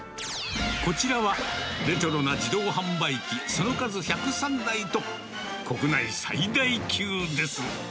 こちらは、レトロな自動販売機、その数１０３台と、国内最大級です。